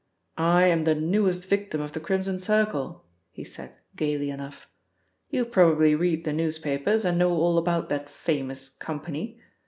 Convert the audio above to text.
"I am the newest victim of the Crimson Circle," he said gaily enough. "You probably read the newspapers, and know all about that famous company.